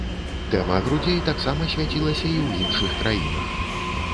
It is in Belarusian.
Тэма грудзей таксама свяцілася і ў іншых краінах.